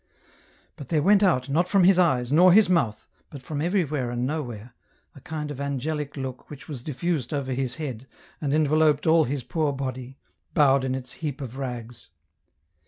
But there went out, not from his eyes, nor his mouth, but from everywhere and nowhere, a kind of angelic look which was diffused over his head, and enveloped all his poor body, bowed in its heap of rags.